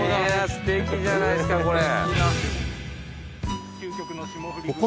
すてきじゃないですかこれ。